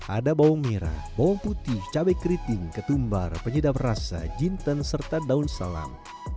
ada bawang merah bawang putih cabai keriting ketumbar penyedap rasa jinten serta daun selam